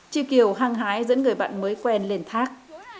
chị kiều hăng hái dẫn người bạn mới quen lên thác